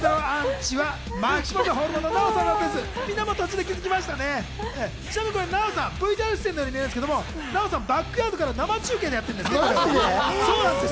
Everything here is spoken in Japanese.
ちなみにナヲさん、ＶＴＲ出演のように見えますが、バックヤードから生中継でやってるんです。